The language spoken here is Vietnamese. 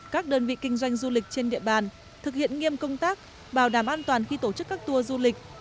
các đơn vị kinh doanh du lịch trên địa bàn thực hiện nghiêm công tác bảo đảm an toàn khi tổ chức các tour du lịch